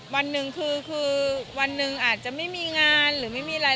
วันหนึ่งคือวันหนึ่งอาจจะไม่มีงานหรือไม่มีอะไร